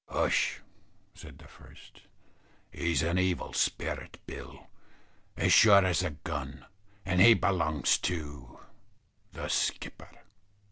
"Hush," said the first, "he's an evil spirit, Bill, as sure as a gun; and he belongs to THE SKIPPER."